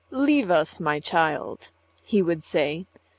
"Leave us, my child," he would say.